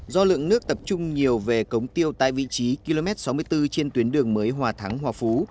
do lượng nước tập trung nhiều về cống tiêu tại vị trí km sáu mươi bốn trên tuyến đường mới hòa thắng hòa phú